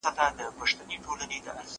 زه پرون د کتابتوننۍ سره وم،